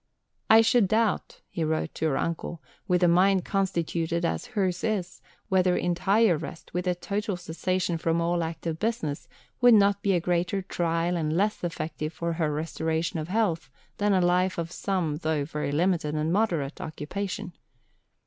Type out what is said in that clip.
"I should doubt," he wrote to her uncle, "with a mind constituted as hers is, whether entire rest, with a total cessation from all active business, would not be a greater trial and less effective for her restoration to health than a life of some, though very limited and moderate, occupation."